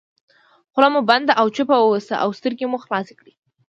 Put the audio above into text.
خوله مو بنده او چوپ واوسئ او سترګې مو خلاصې کړئ.